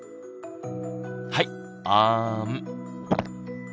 はいあん。